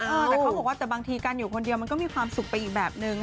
แต่เขาบอกว่าแต่บางทีการอยู่คนเดียวมันก็มีความสุขไปอีกแบบนึง